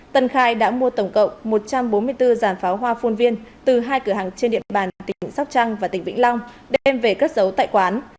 tân khai đã mua tổng cộng một trăm bốn mươi bốn giàn pháo hoa phun viên từ hai cửa hàng trên địa bàn tỉnh sóc trăng và tỉnh vĩnh long đem về cất giấu tại quán